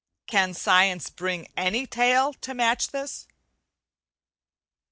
Can science bring any tale to match this?